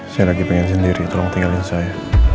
saya lagi pengen sendiri tolong tinggalin saya